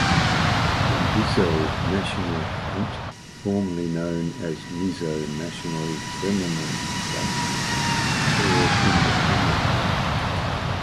The Mizo National Front, formerly known as Mizo National Famine Front, declared independence.